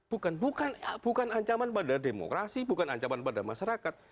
bukan bukan ancaman pada demokrasi bukan ancaman pada masyarakat